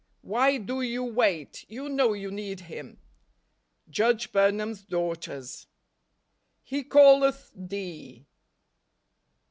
Why do you wait ? You know you need Him." Judge Burnham's Daughters. " He calleth thee."